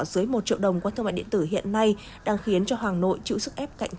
dưới một triệu đồng qua thương mại điện tử hiện nay đang khiến cho hoàng nội chịu sức ép cạnh tranh